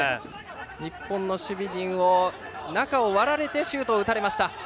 日本の守備陣を中を割られてシュートを打たれました。